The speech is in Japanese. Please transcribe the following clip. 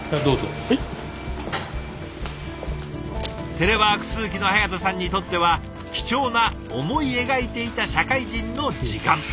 テレワーク続きの早田さんにとっては貴重な思い描いていた社会人の時間。